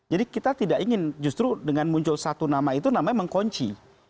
jadi kita tidak ingin justru dengan muncul satu nama itu namanya mengkunci